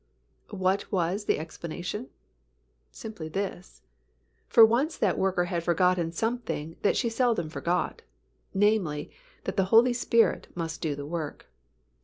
What was the explanation? Simply this, for once that worker had forgotten something that she seldom forgot, namely, that the Holy Spirit must do the work.